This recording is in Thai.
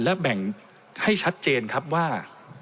และแบ่งให้ชัดเจนครับว่า